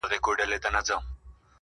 له نن څخه ښه وخت نشته؛